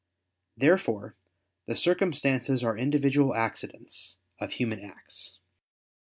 Therefore the circumstances are individual accidents of human acts.